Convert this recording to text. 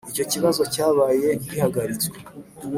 Icyo kibazo cyabaye gihagaritswe